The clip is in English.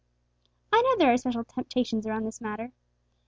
I know there are special temptations around this matter.